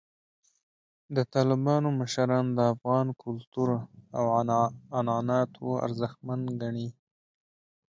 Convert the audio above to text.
د طالبانو مشران د افغان کلتور او عنعناتو ارزښتمن ګڼي.